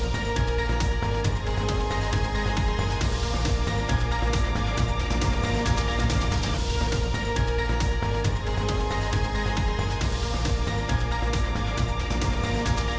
โปรดติดตามตอนต่อไป